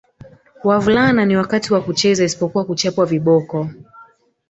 Wavulana ni wakati wa kucheza isipokuwa kuchapwa viboko